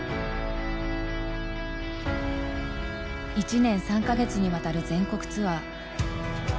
１年３か月にわたる全国ツアー。